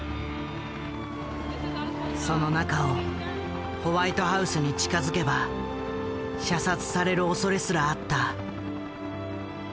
その中をホワイトハウスに近づけば射殺されるおそれすらあった。